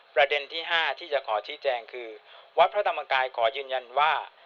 ประเด็นที่๕ที่จะขอชี้แจงคือวัดพระธรรมกายขอยืนยันว่า